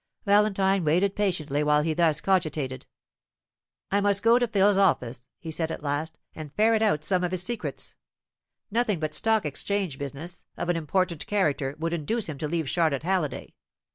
Valentine waited patiently while he thus cogitated. "I must go down to Phil's office," he said at last, "and ferret out some of his secrets. Nothing but stock exchange business, of an important character, would induce him to leave Charlotte Halliday.